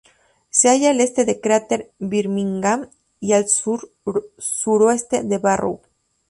Se halla al este del cráter Birmingham, y al sur-suroeste de Barrow.